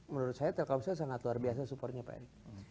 menurut saya telkomsel sangat luar biasa super